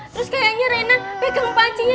terus kayaknya reina pegang pancinya